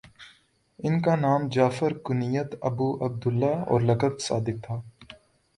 ان کا نام جعفر کنیت ابو عبد اللہ اور لقب صادق تھا